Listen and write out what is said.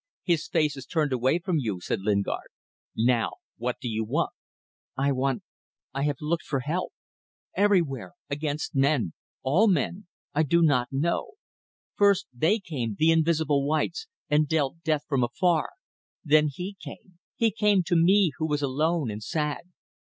His face is turned away from you," said Lingard. "Now, what do you want?" "I want ... I have looked for help ... everywhere ... against men. ... All men ... I do not know. First they came, the invisible whites, and dealt death from afar ... then he came. He came to me who was alone and sad.